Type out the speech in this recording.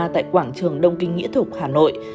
tại quảng trường đông kinh nghĩa thục hà nội